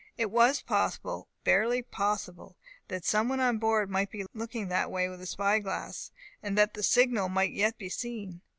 It was possible, barely possible, that some one on board might be looking that way with a spy glass, and that the signal might yet be seen.